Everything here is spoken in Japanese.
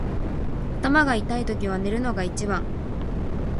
頭が痛いときは寝るのが一番。